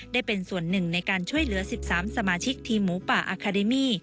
ได้เป็นส่วนหนึ่งในการช่วยเหลือ๑๓สมาชิกทีมหมูป่าอาคาเดมี่